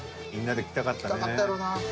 来たかったやろな。